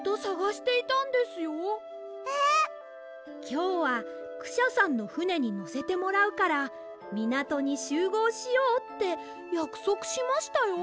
きょうはクシャさんのふねにのせてもらうからみなとにしゅうごうしようってやくそくしましたよ？